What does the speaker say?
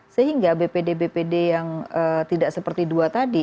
sehingga bpd bpd yang tidak seperti dua tadi